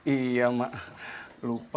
iya mak lupa